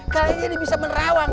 kali ini dia bisa merawang